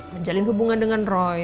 menjalin hubungan dengan roy